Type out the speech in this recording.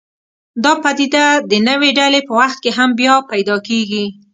دا پدیده د نوې ډلې په وخت کې هم بیا پیدا کېږي.